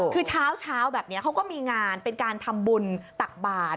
คือเช้าแบบนี้เขาก็มีงานเป็นการทำบุญตักบาท